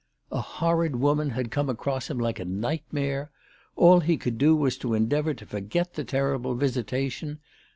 A horrid woman had come across him like a nightmare. All he could do was to endeavour to forget the terrible visitation.